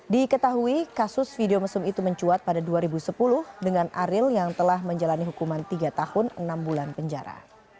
diketahui kasus video mesum itu mencuat pada dua ribu sepuluh dengan ariel yang telah menjalani hukuman tiga tahun enam bulan penjara